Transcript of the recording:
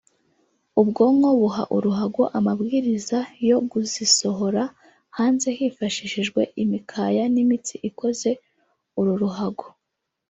ubwonko buha uruhago amabwiriza yo guzisohora hanze hifashishijwe imikaya n’imitsi ikoze uru ruhago